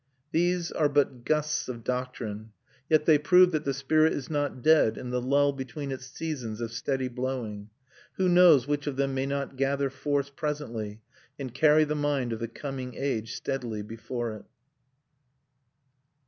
These are but gusts of doctrine; yet they prove that the spirit is not dead in the lull between its seasons of steady blowing. Who knows which of them may not gather force presently and carry the mind of the coming age steadily before it?